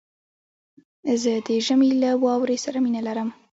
زه د ژمي له واورو سره مينه لرم